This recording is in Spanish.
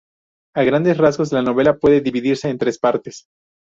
A grandes rasgos la novela puede dividirse en tres partes.